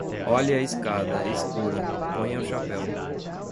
Olhe a escada, é escura; ponha o chapéu...